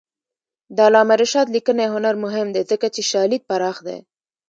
د علامه رشاد لیکنی هنر مهم دی ځکه چې شالید پراخ دی.